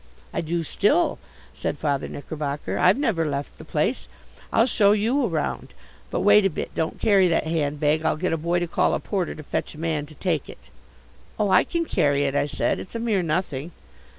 "I do still," said Father Knickerbocker. "I've never left the place. I'll show you around. But wait a bit don't carry that handbag. I'll get a boy to call a porter to fetch a man to take it." "Oh, I can carry it," I said. "It's a mere nothing."